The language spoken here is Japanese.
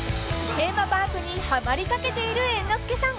［テーマパークにはまりかけている猿之助さん］